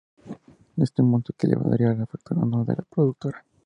Este monto equivaldría a la facturación anual de la productora.